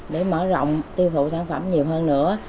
để mở rộng tiêu thụ sản phẩm nhiều hơn nữa